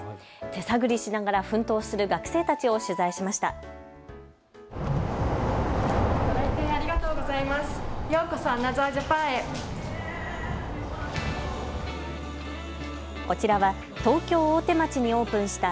手探りしながら奮闘する学生たちを取材しました。